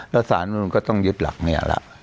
แล้วสารนุนก็ต้องยึดหลักเนี่ยล่ะ